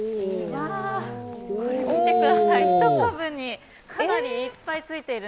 見てください、１株にかなりいっぱいついている。